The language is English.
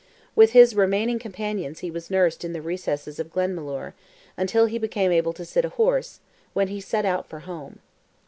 With his remaining companion he was nursed in the recesses of Glenmalure, until he became able to sit a horse, when he set out for home.